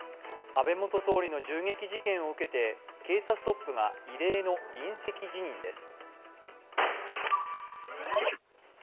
安倍元総理の銃撃事件を受けて警察トップが異例の引責辞任です。